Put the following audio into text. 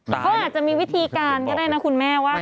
เขาอาจจะมีวิธีการก็ได้นะคุณแม่ว่า